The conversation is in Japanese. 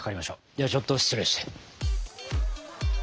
ではちょっと失礼して。